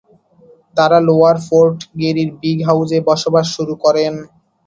তারা Lower Fort গ্যারির "big হাউজে" বসবাস শুরু করেন।